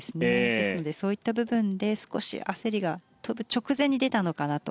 ですのでそういった部分で少し焦りが跳ぶ直前に出たのかなと。